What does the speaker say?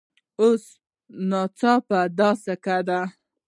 اوس ناچله دا سکې دي